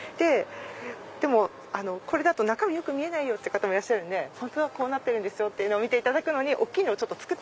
でもこれだと中身見えない方もいらっしゃるんで本当はこうなってるんですよって見ていただくのに大きいのを。